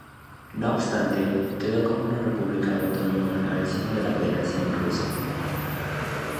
No obstante, quedó como una república autónoma al seno de la Federación Rusa.